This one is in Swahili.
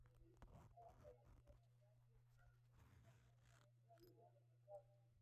Vichembe vya viazi lishe hupendwa na watu wengi